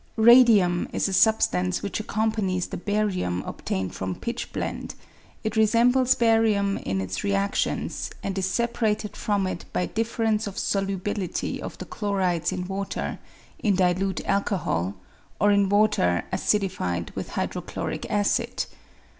Radium is a substance which accompanies the barium obtained from pitchblende ; it resembles barium in its re adions, and is separated from it by difference of solubility of the chlorides in water, in dilute alcohol, or in water acidified with hydrochloric acid.